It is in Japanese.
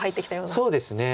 そうですね